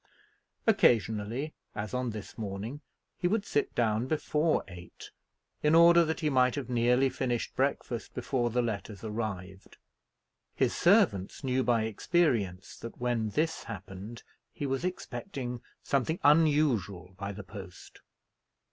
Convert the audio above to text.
Occasionally, as on this morning, he would sit down before eight, in order that he might have nearly finished breakfast before the letters arrived. His servants knew by experience that, when this happened, he was expecting something unusual by the post.